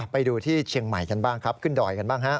ไปดูที่เชียงใหม่กันบ้างครับขึ้นดอยกันบ้างฮะ